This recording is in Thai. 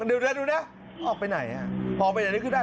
เดี๋ยวดูนี่ออกไปไหนหงออกไปอย่างนี้คือได้